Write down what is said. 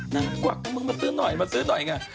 กวักมึงมาซื้อหน่อยมาซื้อหน่อยไง